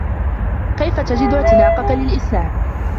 كيف تجد اعتناقك للإسلام؟